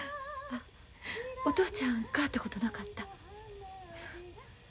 お父ちゃん変わったことなかった？